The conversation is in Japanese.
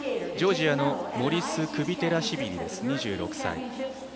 ジョージアのモリス・クビテラシビリです、２６歳。